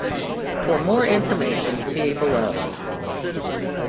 For more information, see below.